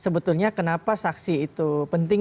sebetulnya kenapa saksi itu penting